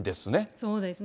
そうですね。